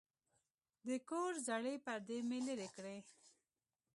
د کور زړې پردې مې لرې کړې.